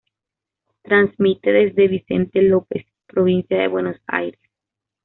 Transmite desde Vicente López, provincia de Buenos Aires.